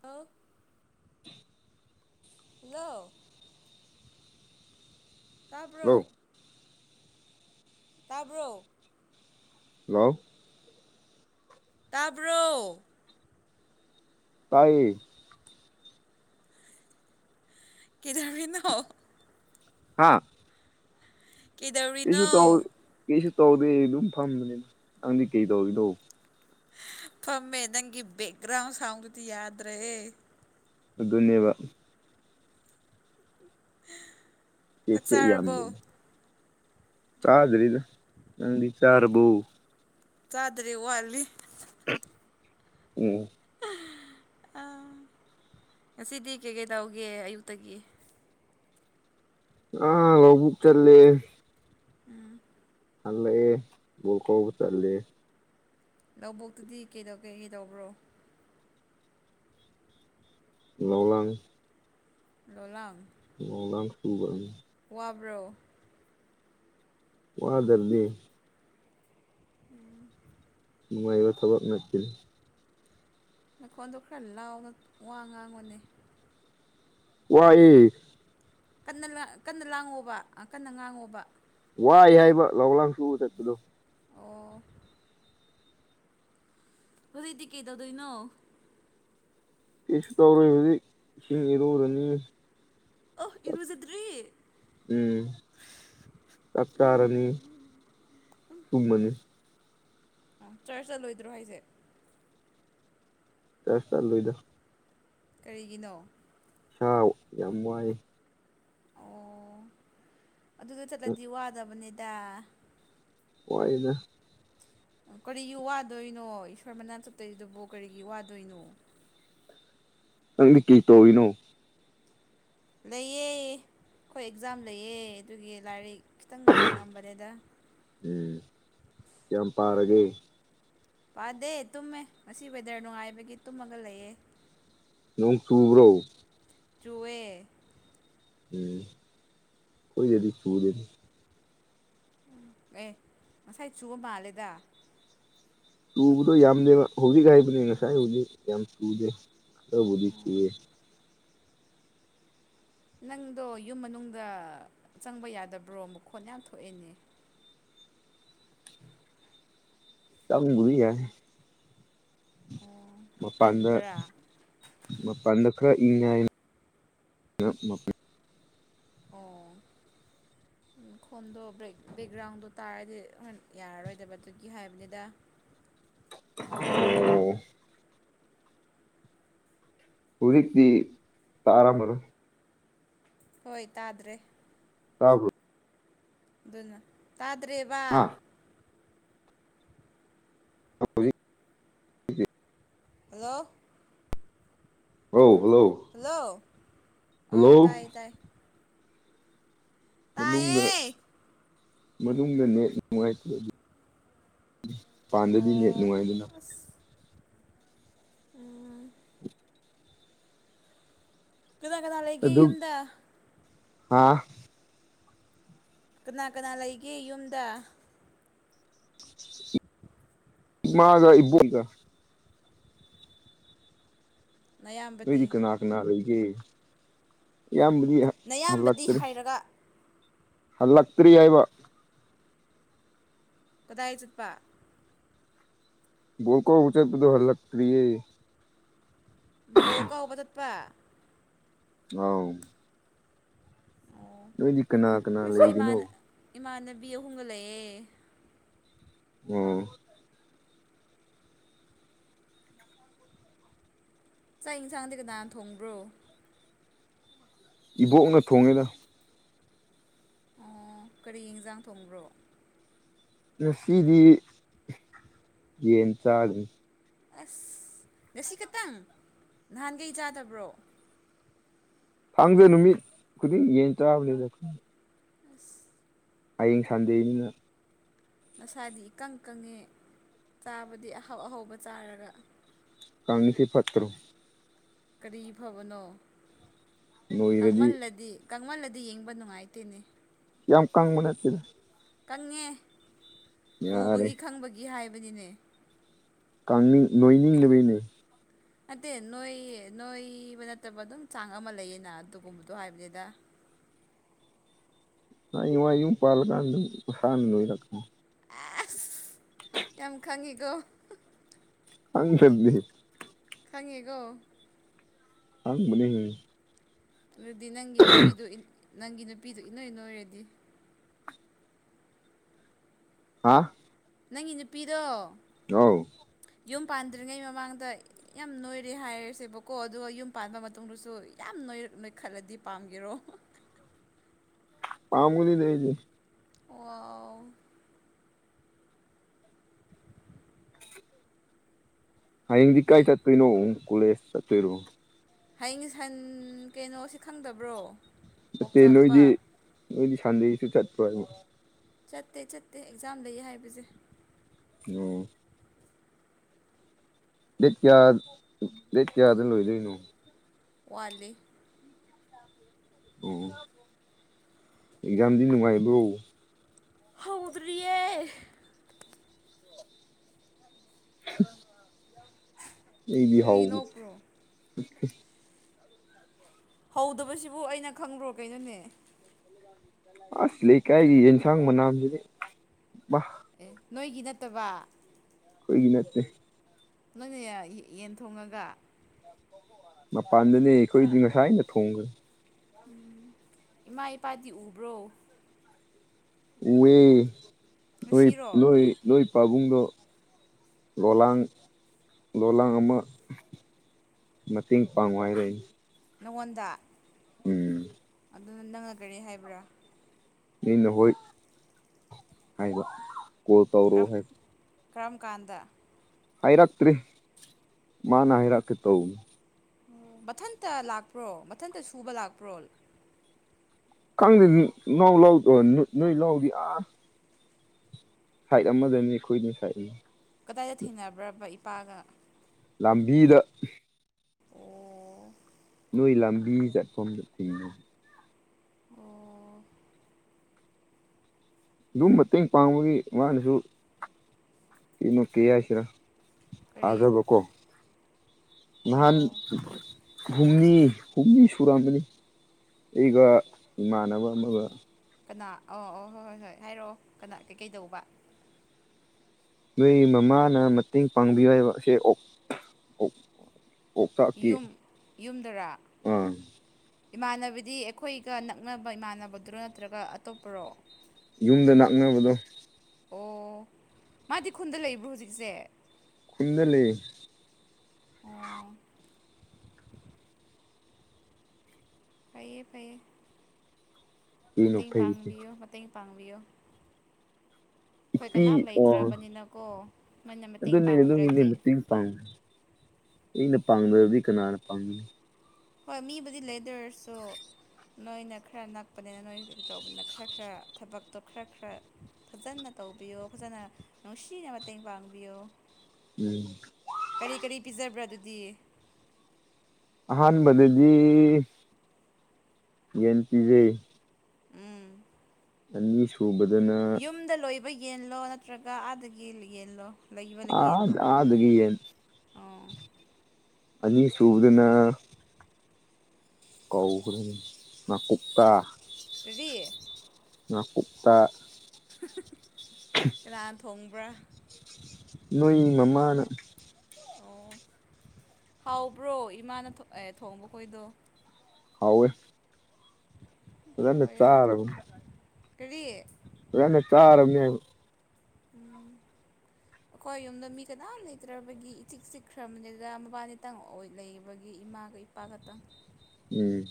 Hello [inaudible] hello ꯇꯥꯕ꯭ꯔꯣ hello ꯇꯥꯕ꯭ꯔꯣ hello ꯇꯥꯕ꯭ꯔꯣ ꯇꯥꯏꯌꯦ ꯀꯩꯗꯧꯔꯤꯅꯣ ꯍꯥꯥ ꯀꯩꯗꯧꯔꯤꯅꯣ ꯀꯩꯁꯨ ꯇꯧꯗꯦ ꯑꯗꯨꯝ ꯐꯝꯕꯅꯤꯅ ꯅꯪꯗꯤ ꯀꯩ ꯇꯧꯔꯤꯅꯣ ꯐꯃꯦ ꯅꯪꯒꯤ ꯕꯦꯛꯒ꯭ꯔꯥꯎꯟ ꯁꯥꯎꯗꯤ ꯌꯥꯗ꯭ꯔꯦ ꯑꯗꯨꯅꯦꯕ ꯆꯥꯛ ꯆꯦ ꯌꯥꯝ ꯂꯩ ꯆꯥꯔꯕꯣ ꯆꯥꯗꯔꯤꯗ ꯅꯪ ꯆꯔꯔꯕꯣ ꯆꯥꯗꯔꯤ ꯋꯥ ꯑꯜꯂꯤ ꯎꯝ ꯑ ꯉꯁꯤꯗꯤ ꯀꯩ ꯀꯩ ꯇꯧꯒꯦ ꯑꯌꯨꯛꯇꯒꯤ ꯑꯥ ꯂꯧꯕꯨꯛ ꯆꯠꯂꯦ ꯎꯝ ꯍꯜꯂꯦꯑꯦ ꯣꯜꯀ ꯃꯆꯥꯠꯂꯦ ꯂꯧꯕꯣꯛꯇꯨꯗꯤ ꯀꯩꯗꯧ ꯀꯩ ꯀꯩꯗꯧꯕ꯭ꯔꯣ ꯂꯂꯥꯡ ꯂꯣꯂꯝ ꯃ ꯅꯝ ꯁꯨꯕꯥꯅꯤ ꯈꯕ꯭ꯔꯣ ꯋꯥꯗꯔꯗꯤ ꯅꯨꯡꯉꯥꯏꯕ ꯊꯥꯕꯛꯅꯇꯤꯟ ꯃꯈꯈꯣꯟꯗꯣ ꯈꯔ ꯂꯥꯎꯅ ꯋꯥ ꯉꯥꯡꯕꯅꯦ ꯋꯥꯏ ꯀ ꯀꯟꯅ ꯂꯥꯡꯉꯣꯕ ꯀꯟꯅ ꯉꯥꯡꯉꯣꯕ ꯋꯥꯏ ꯍꯥꯏꯏꯕ ꯂ ꯂꯥꯡ ꯁꯨ ꯆꯠꯗꯣ ꯑꯣ ꯍꯧꯣꯏꯗꯤ ꯀꯩꯗꯧꯗꯣꯏꯅꯣ ꯀꯁꯨ ꯇꯧꯔꯣꯏ ꯍꯧꯖꯤꯛ ꯏꯁꯤꯡ ꯏꯔꯧꯨꯔꯅꯤ ꯑ ꯏꯔꯨꯖꯗ꯭꯭ꯔꯤ꯫ ꯀꯀꯥꯔꯅꯤ ꯇꯨꯝꯃꯅꯤ ꯑ ꯆꯔꯆ ꯆꯠꯂꯣꯏꯗ꯭ꯔꯣ ꯍꯥꯏꯁꯦ ꯆꯔ ꯆꯜ ꯂꯣꯏꯗ ꯀꯔꯤꯒꯤꯅꯣ ꯏꯁ ꯌꯥꯝ ꯋꯥꯏ ꯑꯣ ꯑꯗꯨꯗ ꯆꯠꯂꯗꯤ ꯋꯥꯗꯕꯅꯤꯗ ꯑꯣꯏꯏꯅ ꯀꯔꯤꯒꯤ ꯋꯥꯗꯣꯏꯅꯣ ꯏꯁꯣꯔ ꯃꯅꯥ ꯆꯠꯇꯔꯤꯗꯨꯕꯨ ꯀꯔꯤꯒꯤ ꯋꯥꯗꯣꯏꯅꯣ ꯆꯪꯗꯤ ꯀꯩ ꯇꯧꯋꯅꯣ ꯂꯩꯑꯦ ꯑꯩꯈꯣꯏ ꯑꯦꯛꯖꯥꯝ ꯂꯩꯑ ꯑꯗꯨꯒꯤ ꯂꯥꯏꯔꯤꯛ ꯈꯤꯇꯪꯤ ꯑꯝꯕꯗꯦꯗ ꯎꯝ ꯀꯌꯥꯝ ꯄꯥꯔꯒꯦ ꯄꯥꯗꯦ ꯇꯨꯝꯃꯦ ꯉꯁꯤ ꯋꯦꯗꯔ ꯅꯨꯡꯉꯥꯏꯕꯒꯤ ꯇꯨꯝꯃꯒ ꯂꯩꯑ ꯅꯣꯡ ꯇꯨꯕ꯭ꯔꯣ ꯇꯨꯋꯦ ꯎꯝ ꯑꯣꯏ ꯑꯗꯤ ꯆꯨꯖꯅꯤ ꯎ ꯑꯦ ꯉꯁꯥꯏ ꯆꯨꯕ ꯃꯥꯜꯂꯦꯗ ꯆꯨꯕꯗꯣ ꯌꯥꯝꯗꯦ ꯍꯧꯨꯤꯒ ꯍꯥꯏꯕꯅꯤ ꯉꯁꯥꯏ ꯍꯧꯨꯗꯤ ꯌꯥꯝ ꯆꯨꯗꯦ ꯑꯕꯨꯗꯤꯁꯤꯦ ꯅꯪꯗꯣ ꯌꯨꯝ ꯃꯅꯨꯡꯗ ꯆꯪꯕ ꯌꯥꯗꯕ꯭ꯔꯣ ꯃꯈꯨꯣꯠ ꯌꯥꯝ ꯊꯣꯛꯑꯦꯅꯦ ꯆꯡꯕꯨꯗꯤ ꯌꯥꯏ ꯑꯣ ꯃꯄꯗ ꯇꯟꯕ꯭ꯔꯥ ꯃꯄꯗ ꯈ꯭ꯔ ꯏ [unintelligible] ꯈꯣꯝꯗꯣ ꯕꯦꯛ ꯕꯦꯛꯒ꯭ꯔꯥꯎꯟꯗꯣ ꯇꯥꯔꯗꯤ ꯍ ꯌꯥꯔꯔꯣꯏꯗꯕ ꯑꯗꯨꯒꯤ ꯍꯥꯏꯕꯅꯤꯗ [unintelligible] ꯑꯣ ꯍꯧꯖꯤꯛꯇꯤ ꯇꯥꯔꯃꯅ ꯍꯣꯏ ꯇꯥꯗ꯭ꯔꯦ ꯇꯥꯕꯣ ꯑꯗꯨꯅ ꯇꯥꯗ꯭ꯔꯦꯕ ꯍꯥ [unintelligible] ꯍꯜꯂꯣ ꯍꯜꯂꯣ ꯍꯜꯂꯣ ꯍꯜꯂꯣ ꯑꯧ ꯍꯜꯂꯣ ꯇꯥꯏ ꯇꯥꯏ ꯃꯅꯨꯡꯗ ꯇꯥꯏꯌꯦ ꯃꯅꯨꯡꯗꯅꯦ ꯅꯨꯡꯉꯥꯏꯇꯦ ꯄꯥꯟꯗꯗꯤ ꯅꯦ ꯑꯣ ꯅꯨꯡꯉꯥꯏꯗꯅ ꯑ ꯀꯅꯥ ꯀꯅꯥ ꯂꯩꯒꯦ ꯌꯨꯝꯗ ꯑꯥ ꯀꯅꯥ ꯀꯅꯥ ꯂꯩꯒꯦ ꯌꯨꯝꯗ ꯏ ꯃꯥꯒ ꯏꯕꯨꯨꯡꯒ ꯅꯌꯥꯝꯕꯗꯤ ꯂꯩꯗꯤ ꯀꯅꯥ ꯀꯅꯥ ꯂꯩꯒꯦ ꯏꯌꯥꯝꯕꯗꯤ ꯅꯌꯥꯝꯕꯗꯤ ꯍꯜꯂꯛꯇ꯭ꯔꯤ ꯍꯥꯏꯔꯒ ꯍꯜꯂꯛꯇꯇꯔꯤ ꯍꯥꯏꯏꯕ ꯀꯗꯥꯥꯏ ꯆꯠꯄ ꯣꯜꯀꯣ ꯎ ꯎꯆꯔꯗ ꯍꯜꯂꯛ ꯇꯔꯤꯌꯦ ꯣꯀ ꯍꯕ ꯆꯠ ꯄ ꯑꯥꯎ ꯑꯣ ꯅꯗꯤ ꯀꯅꯥ ꯀꯅꯥ ꯑꯩꯈꯣꯏꯁꯨ ꯂꯩꯔꯤꯅꯣ ꯏꯃꯥꯟ ꯏꯃꯥꯟꯅꯕꯤ ꯑꯍꯣꯡꯒꯠꯂꯛꯑꯦ ꯎꯝ ꯆꯥꯛ ꯌꯦꯟꯁꯥꯡꯗꯤ ꯀꯅꯥ ꯊꯣꯡꯕ꯭ꯔꯣ ꯏꯕꯣꯛꯅ ꯊꯣꯡꯉꯦꯗ ꯑ ꯀꯔꯤ ꯏꯟꯖꯥꯡ ꯊꯣꯡꯕ꯭ꯔꯣ ꯉꯁꯤꯗꯤ ꯌꯦꯟ ꯆꯥꯗꯅꯤ ꯑꯁ ꯉꯁꯤ ꯈꯇꯪ ꯅꯍꯥꯟꯈꯩ ꯆꯥꯗꯕ꯭ꯔꯣ ꯊꯥꯡꯗ ꯅꯨꯃꯤꯠ ꯈꯨꯗꯤꯡ ꯌꯦꯟ ꯆꯥꯕꯅꯤꯗ [unintelligible] ꯍꯌꯦꯡ ꯁꯟꯗꯦꯅꯤꯅ ꯅꯁꯥꯗꯤ ꯏꯀꯪ ꯀꯪꯉꯦ ꯆꯥꯕꯗꯤ ꯑꯍꯥꯎ ꯑꯍꯥꯎꯕ ꯆꯥꯔꯒ ꯀꯪꯉꯤꯁꯤ ꯄꯠꯇ꯭ꯔꯣ ꯀꯔꯤ ꯐꯕꯅꯣ ꯅꯣꯏꯔꯗꯤ ꯀꯥꯡꯃꯜꯂꯗꯤ ꯀꯪꯃꯜꯂꯗꯤ ꯌꯦꯡꯕ ꯅꯨꯡꯉꯥꯏꯇꯦꯅꯦ ꯌꯥꯝ ꯌꯥꯝ ꯀ ꯃꯅꯦꯇꯦ ꯀꯪꯉꯦ ꯌꯥꯔꯦ ꯎꯕꯒꯤ ꯈꯪꯕꯒꯤ ꯍꯥꯏꯕꯅꯤꯅꯦ ꯀꯥꯡꯅꯤꯡ ꯅꯣꯏꯅꯤꯡꯂꯤꯕꯤꯅꯤ ꯅꯠꯇꯦ ꯅꯣꯏ ꯅꯣꯏꯕ ꯅꯠꯇꯕ ꯑꯗꯨꯝ ꯆꯥꯡ ꯑꯃ ꯂꯩꯌꯦꯅ ꯑꯗꯨꯒꯨꯝꯕꯗꯣ ꯍꯥꯏꯕꯅꯤꯗ [unintelligible] ꯑ ꯍ꯭ꯌꯦꯒ ꯋꯥꯏ ꯑꯁ ꯌꯥꯝ ꯈꯪꯉꯤꯀꯣ꯫ ꯈꯪꯗꯔꯝꯃꯤ ꯈꯪꯉꯦꯒꯣ ꯈꯪꯕꯅꯤ ꯑꯗꯨꯗꯤ ꯅꯪꯒꯤ ꯅꯨꯄꯤꯗꯣ ꯏꯟ ꯅꯪꯒꯤ ꯅꯨꯄꯤꯗꯣ ꯏꯅꯣꯏ ꯅꯣꯏꯔꯗꯤ ꯍꯥꯥ ꯅꯪꯒꯤ ꯅꯨꯄꯤꯗꯣ ꯑꯥꯎ ꯌꯨꯝ ꯄꯥꯟꯗ꯭ꯔꯤꯉꯩ ꯃꯃꯥꯡꯗ ꯌꯥꯝ ꯅꯣꯏꯔꯦ ꯍꯥꯏꯔꯁꯦꯕꯀꯣ ꯑꯗꯨꯒ ꯌꯨꯝ ꯄꯥꯟꯕ ꯃꯇꯨꯡꯗꯁꯨ ꯌꯥꯝ ꯅꯣꯏ ꯅꯣꯏ ꯈꯜꯂꯗꯤ ꯄꯥꯝꯒꯦꯔꯣ ꯄꯥꯕꯨꯗꯤ ꯂꯩꯁꯤ ꯋꯥꯎ ꯍꯌꯦꯡꯗꯤ ꯀꯥꯏ ꯆꯠꯇꯣꯏꯅꯣꯨꯛ ꯀꯣꯂꯦꯖ ꯆꯠꯇꯣꯏꯔꯣ ꯍꯌꯦꯡꯟ ꯀꯩꯅꯣꯁꯤ ꯈꯪꯗꯕ꯭ꯔꯣ ꯅꯠꯇꯦ ꯀꯣꯛꯆꯥꯛꯄ ꯅꯣꯏꯗꯤ ꯅꯣꯏꯗꯤ ꯁꯟꯗꯦꯁꯨ ꯆꯠꯇ꯭ꯔꯣ ꯍꯥꯏꯕ ꯆꯠꯇꯦ ꯆꯠꯇꯦ ꯑꯦꯛꯖꯥꯝ ꯂꯩ ꯍꯥꯏꯕꯁꯦ ꯑꯗꯨ ꯔꯦꯠ ꯀꯌꯥ ꯔꯦꯠ ꯀꯌꯥꯗꯅ ꯂꯣꯏꯗꯣꯏꯅꯣ ꯋꯥꯂꯤꯂꯤ ꯎ ꯑꯦꯛꯖꯥꯝꯗꯤ ꯅꯨꯡꯉꯥꯏꯕꯧ ꯍꯧꯗꯔꯤꯔꯤꯌꯦ ꯑ ꯀ꯭ꯔꯤꯅꯣꯄ꯭ꯔꯣ ꯑꯣꯦ ꯍꯧꯗꯕꯁꯤꯕꯨ ꯑꯩꯅ ꯈꯪꯕ꯭ꯔꯣ ꯀꯩꯅꯣꯅꯦ ꯑꯂ ꯀꯥꯏꯒꯤ ꯌꯦꯅ ꯁꯪ ꯃꯅꯥ ꯑꯦ ꯅꯣꯏꯒꯤ ꯅꯠꯇꯕ ꯀꯣꯏꯒꯤ ꯅꯠꯇꯅꯦ ꯅꯪꯅꯦ ꯌꯦꯟ ꯊꯣꯡꯉꯒ ꯃꯄꯥꯟꯗꯅꯦ ꯑꯩꯈꯣꯏꯗꯤ ꯉꯁꯥꯏ ꯑꯩꯅ ꯊꯣꯡꯒꯦ ꯎꯝ ꯏꯃꯥ ꯏꯄꯥꯗꯤ ꯎꯕ꯭ꯔꯣ ꯎꯋ ꯂ ꯉꯁꯤꯔꯣ ꯂ ꯂ ꯄꯥꯕꯨꯡꯗ ꯂꯣꯂꯥꯡ ꯂꯣꯂꯥꯡ ꯑꯃ ꯃꯇꯦꯡ ꯄꯥꯡ ꯍꯥꯏꯔ ꯅꯉꯣꯟꯗ ꯎꯝ ꯑꯗꯨꯅ ꯅꯪꯅ ꯀꯔꯤ ꯍꯥꯏꯕ꯭ꯔꯥ ꯅꯩꯅ ꯍꯣꯏ ꯍꯥꯏꯕ ꯀꯣꯜ ꯇꯧꯔꯣ ꯍꯥꯏꯕ ꯀ꯭ꯔꯝ ꯀꯥꯟꯗ ꯍꯥꯏꯔꯛꯇ꯭ꯔꯔꯤ ꯃꯥꯅ ꯍꯥꯏꯔꯛꯀꯦ ꯇꯧꯕꯅꯤ ꯎ ꯃꯊꯟꯇ ꯂꯥꯛꯄ꯭ꯔꯣ ꯃꯊꯟꯇ ꯁꯨꯕ ꯂꯥꯛꯄ꯭ꯔꯣ ꯈꯪꯗꯦ ꯂꯥꯎ ꯂꯥꯎꯗ ꯅꯣꯏ ꯂꯥꯎꯗꯤ ꯑꯥ ꯁꯥꯏꯠ ꯑꯃꯗꯅꯤ ꯑꯩꯈꯣꯏꯏꯅꯤ ꯁꯥꯏꯠꯅꯤ ꯀꯗꯥꯏꯗ ꯊꯦꯡꯅꯕ꯭ꯔꯕ ꯏꯄꯥꯒ ꯂꯝꯕꯤꯗ ꯑꯣ ꯅꯣꯏ ꯂꯝꯕꯤ ꯆꯠꯐꯝꯗꯨ ꯊꯤꯡꯅ ꯑꯣ ꯑꯗꯨꯝ ꯃꯇꯦꯡ ꯄꯥꯡꯕꯒꯤ ꯃꯥꯅꯁꯨ ꯀꯩꯅꯣ ꯀꯦ ꯍꯥꯏꯁꯤꯔꯥ ꯀꯔꯤ ꯐꯥꯖꯕꯀꯣ ꯅꯍꯥꯟ ꯑꯣ ꯍꯨꯝꯅꯤ ꯍꯨꯝꯅꯤ ꯁꯨꯔꯛꯑꯝꯕꯅꯤ ꯑꯩꯒ ꯏꯃꯥꯟꯅꯕ ꯑꯃꯒ ꯀꯅꯥ ꯑ ꯑꯣ ꯍꯣꯏ ꯍꯣꯏ ꯍꯣꯏ ꯍꯥꯏꯔꯛꯑꯣ ꯀꯅꯥ ꯀꯩꯀꯩ ꯇꯧꯕ ꯅꯣꯏ ꯃꯃꯥꯅ ꯃꯇꯦꯡ ꯄꯥꯡꯕꯤꯌꯨ ꯍꯥꯏꯕꯁꯦ ꯑꯣ ꯑꯣ ꯑꯣꯣꯛꯇꯀꯤ ꯌꯨꯝ ꯌꯨꯝꯗꯔꯥ ꯑꯥ ꯏꯃꯥꯟꯅꯕꯗꯤ ꯑꯩꯈꯣꯏꯒ ꯅꯛꯅꯕ ꯏꯃꯥꯟꯅꯕꯗꯨꯔꯣ ꯅꯠꯇ꯭ꯔꯒ ꯑꯇꯣꯞꯄꯔꯣ ꯌꯨꯝꯗꯅꯥꯃꯦꯕꯗꯣ ꯑꯣ ꯃꯥꯗꯤ ꯈꯨꯟꯗ ꯂꯩꯕ꯭ꯔꯣ ꯍꯧꯖꯤꯛꯁꯦ ꯈꯨꯨꯟꯗ ꯂꯩ ꯑꯣ ꯐꯩꯌꯦ ꯐꯩꯌꯦ ꯀꯩꯅꯣ ꯃꯇꯦꯡ ꯐꯩꯁꯦ ꯄꯥꯡꯕꯤꯌꯣ ꯃꯇꯦꯡ ꯄꯥꯡꯕꯤꯌ ꯑꯩꯈꯣꯏ ꯏꯄꯤ ꯀꯅꯥꯝ ꯑꯣ ꯂꯩꯇ꯭ꯔꯕꯅꯤꯅꯀꯣ ꯅꯣꯏꯅ ꯃꯇꯦꯡ ꯄꯥꯡꯗ꯭ꯔꯗꯤ ꯏꯩꯅꯄꯥꯡꯗꯗꯤ ꯀꯅꯥꯄꯥꯡ ꯍꯣꯏ ꯃꯤꯕꯨꯗꯤ ꯂꯩꯗꯣꯏꯔꯁꯨ ꯅꯣꯏꯅ ꯈꯔ ꯅꯛꯄꯅꯤꯅ ꯅꯣꯏ ꯀꯩ ꯇꯧꯕꯅꯤꯅ ꯈꯔ ꯈꯔ ꯊꯕꯛꯇꯣ ꯈꯔ ꯈꯔ ꯐꯖꯅ ꯇꯧꯕꯤꯌꯣ ꯐꯖꯅ ꯅꯨꯡꯁꯤꯅ ꯃꯇꯦꯡ ꯄꯥꯡꯕꯤꯌꯣ ꯎꯝ ꯀꯔꯤ ꯀꯔꯤ ꯄꯤꯖꯕ꯭ꯔꯥ ꯑꯗꯨꯗꯤ ꯑꯍꯥꯟꯕꯥꯟꯕꯅꯦꯖꯤ ꯌꯦ ꯄꯤꯖꯦ ꯎꯝ ꯑꯅꯤ ꯁꯨꯕꯗꯅ ꯕ ꯌꯦꯜꯂꯣ ꯅꯠꯇ꯭ꯔꯒ ꯑꯥꯗꯒꯤ ꯌꯦꯟꯂꯣ ꯂꯩꯕ ꯑ ꯌꯦꯟꯂꯣ ꯑꯒ ꯌꯦꯟ ꯑꯣ ꯑꯅꯤ ꯁꯨꯕꯗꯅ ꯀꯧꯈ ꯃꯥꯅꯥ ꯀꯨꯛꯇ ꯇ ꯉꯀꯨꯞꯇꯥ ꯀꯅꯥ ꯊꯣꯡꯕ꯭ꯔꯥ ꯅꯣꯏ ꯃꯃꯥꯅ ꯑꯣ ꯍꯥꯎꯕ꯭ꯔꯣ ꯏꯃꯥꯅ ꯑꯦ ꯊꯣꯡꯕ ꯈꯣꯏꯗꯣ ꯍꯥꯎꯋꯦ ꯑꯗꯨ ꯆꯥꯔ ꯀꯔꯤꯌꯦ ꯍꯅ ꯆꯔ ꯌꯥ ꯎꯝ ꯑꯩꯈꯣꯏ ꯌꯨꯝꯗ ꯃꯤ ꯀꯅꯥꯝ ꯂꯩꯇ꯭ꯔꯕꯒꯤ ꯏꯆꯤꯛ ꯆꯤꯛꯈ꯭ꯔꯕꯅꯤꯗ ꯃꯕꯥꯅꯤꯇꯪ ꯑꯣꯏ ꯂꯩꯕꯒꯤ ꯏꯃꯥꯒ ꯑꯣꯏꯣꯏ ꯄꯒꯇ ꯎꯝ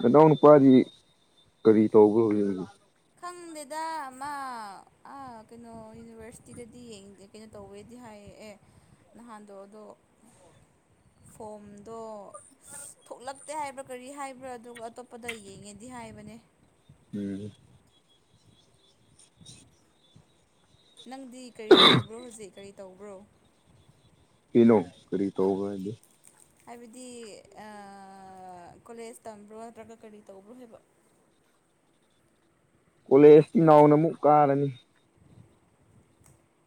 ꯅꯗꯥꯎ ꯅꯨꯄꯥꯗꯤ ꯀꯔꯤ ꯇꯧꯕꯒꯦ ꯍꯧꯖꯤꯛ ꯈꯪꯗꯦꯗ ꯃꯥ ꯀꯩꯅꯣ ꯌꯨꯅꯤꯚꯔꯁꯤꯇꯤꯗꯗꯤ ꯌꯦꯡꯗꯦ ꯀꯩꯅꯣ ꯇꯧꯋꯦꯗꯤ ꯍꯥꯏ ꯑꯦ ꯅꯍꯥꯟꯗꯣ ꯑꯗꯣ [unintelligible] ꯐꯣꯝꯗꯣ ꯊꯣꯛꯂꯛꯇꯦ ꯍꯥꯏꯕ꯭ꯔꯥ ꯀꯔꯤ ꯍꯥꯏꯕ꯭ꯔꯥ ꯑꯗꯨꯒ ꯑꯇꯣꯞꯄꯗ ꯌꯦꯡꯉꯦꯗꯤ ꯍꯥꯏꯕꯅꯦ ꯎꯝ ꯅꯪꯗꯤ ꯀꯔꯤ ꯌꯦꯡꯕꯣ ꯍꯧꯖꯤꯛ ꯀꯔꯤ ꯇꯧ ꯀꯩꯅꯣ ꯀꯔꯤ ꯇꯧꯕꯗꯤ ꯍꯥꯏꯕꯗꯤ ꯀꯣꯂꯦꯖ ꯇꯝꯕ꯭ꯔꯣ ꯅꯠꯇ꯭ꯔꯒ ꯀꯔꯤ ꯇꯧꯕ꯭ꯔꯣ ꯍꯥꯏꯕ [unintelligible] ꯀꯣꯂꯦꯖꯇꯤ ꯅꯥꯎꯅ ꯑꯃꯨꯛ ꯀꯥꯔꯅꯤ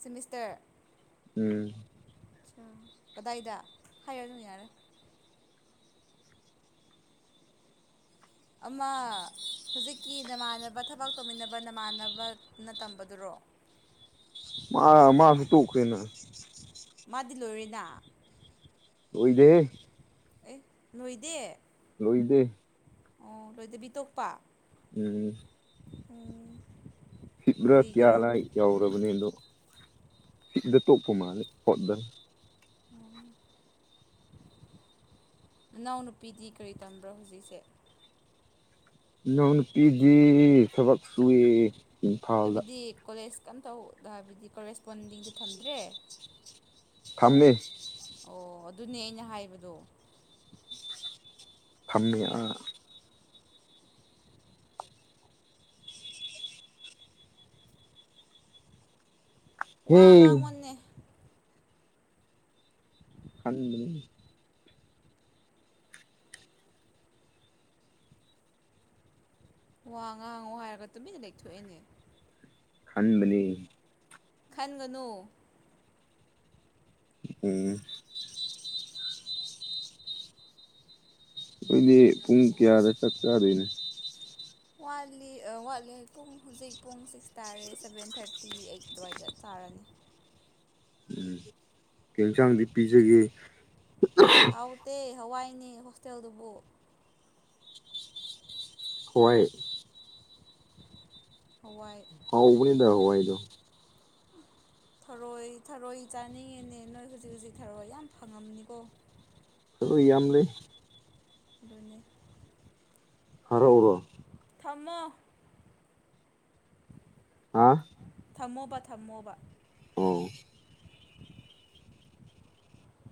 ꯁꯤꯃꯤꯁꯇꯔ ꯎꯝ ꯑ ꯀꯗꯥꯏꯗ ꯍꯥꯏꯔ ꯑꯗꯨꯝ ꯌꯥꯔꯦ ꯑꯃ ꯍꯧꯖꯤꯛꯀꯤ ꯅꯃꯥꯟꯅꯕ ꯊꯕꯛ ꯇꯧꯃꯤꯟꯅꯕ ꯅꯃꯥꯟꯅꯕꯅ ꯇꯝꯕꯗꯨꯔꯣ ꯃꯥ ꯃꯥ ꯁꯇ ꯀꯅ ꯃꯥꯗꯤ ꯂꯣꯏꯅ ꯍꯣꯏꯗꯦ ꯑꯦ ꯅꯣꯏꯗꯦ ꯂꯣꯏꯗ ꯑꯣ ꯂꯣꯏꯗꯕꯤꯇꯣꯛꯄ ꯎꯝ ꯎꯝ ꯁꯤꯠꯕ꯭ꯔꯥ [inaudible] ꯀꯌꯥ ꯀꯔꯤꯒꯤꯔꯣ ꯂ ꯌꯎꯔꯕꯅꯤ ꯑꯗꯣ ꯁꯤꯗ ꯇꯣꯞꯄꯃ ꯍꯠꯗ [inaudible] [inaudible] ꯅꯅꯥꯎꯅꯨꯄꯤꯗꯤ ꯀꯔꯤ ꯇꯝꯕ꯭ꯔꯣ ꯍꯨꯖꯤꯛꯁꯦ ꯏꯅꯥꯎꯅꯨꯄꯤꯗꯤ ꯊꯕꯛ ꯁꯨꯏ ꯏꯝꯐꯥꯜꯗ ꯍꯥꯏꯕꯗꯤ ꯀꯣꯂꯦꯖ ꯀꯩꯝ ꯇꯧ ꯍꯥꯏꯕꯗꯤ ꯀꯣꯔꯦꯁꯄꯣꯟꯗꯤꯡꯗ ꯊꯝꯗ꯭ꯔꯦ ꯊꯝꯃꯦ ꯑꯣ ꯑꯗꯨꯅꯦ ꯑꯩꯅ ꯍꯥꯏꯕꯗꯣ ꯐꯥꯝꯃꯦꯌꯥ ꯋꯥ ꯍꯦ ꯑꯉꯥꯡ ꯑꯣꯦ ꯍꯪ ꯋꯥ ꯉꯥꯡꯉꯨ ꯍꯥꯏꯔꯒ ꯇꯨꯃꯤꯟꯅ ꯂꯩꯦꯛꯊꯣꯛꯑꯦꯅꯦ ꯈꯟꯕꯅꯤ ꯈꯟꯒꯅꯨ ꯎꯝ ꯑꯩꯗꯤ ꯄꯨꯡ ꯀꯌꯥꯗ ꯆꯠ ꯆꯥꯗꯣꯏꯅꯦ ꯋꯥꯠꯂꯤ ꯋꯥꯠꯂꯦ ꯄꯨꯡ ꯍꯧꯨꯖꯤꯛ ꯄꯨꯡ ꯁꯤꯛꯁ ꯇꯥꯔꯦ ꯁꯚꯦꯟ ꯊꯥꯔꯇꯤ ꯑꯩ ꯑꯗꯨꯋꯥꯏꯗ ꯆꯥ ꯀꯔꯅꯤ ꯇꯤꯟꯁꯥꯡꯗꯤ ꯄꯤꯖꯒꯦ ꯍꯥꯎꯇꯦ ꯍꯋꯥꯏꯅꯦ ꯍꯣꯁꯇꯦꯜꯗꯨꯕꯨ ꯍꯣꯏ ꯍꯋꯥꯏ ꯍꯥꯎ ꯎꯕꯅꯤꯗ ꯍꯋꯥꯏꯗꯣ ꯊꯔꯣꯏ ꯊꯔꯣꯏ ꯆꯥꯅꯤꯡꯉꯤꯅꯦ ꯅꯣꯏ ꯍꯧꯖꯤꯛ ꯍꯧꯖꯤꯛ ꯊꯔꯣꯏ ꯌꯥꯝ ꯐꯪꯉꯝꯅꯤꯀꯣ ꯁꯣꯏꯌꯥꯝ ꯂꯩ ꯗꯨꯅꯦ ꯍꯥꯔꯥꯎ ꯑꯣꯏꯔꯑꯣ ꯊꯝꯃꯣ ꯍꯥꯥ ꯊꯝꯃꯣꯕ ꯊꯝꯃꯣꯕ ꯑꯣ